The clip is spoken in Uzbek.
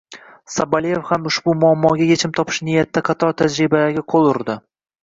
Sobolev ham ushbu muammoga yechim topish niyatida qator tajribalarga qo‘l urdi